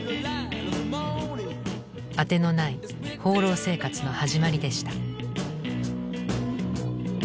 あてのない放浪生活の始まりでした。